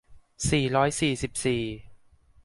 สี่ร้อยสี่สิบสี่